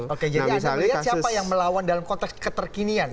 oke jadi anda melihat siapa yang melawan dalam konteks keterkinian